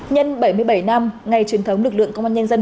nhân bảy mươi bảy năm ngày truyền thống lực lượng công an nhân dân